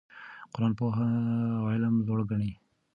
قرآن پوهه او علم لوړ ګڼي.